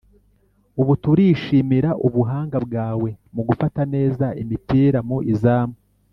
Ubu turishimira ubuhanga bwawe mu gufata neza imipira mu izamu